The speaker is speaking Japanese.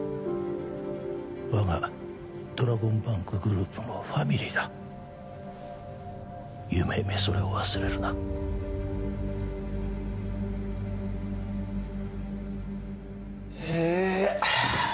我がドラゴンバンクグループのファミリーだ努々それを忘れるなああ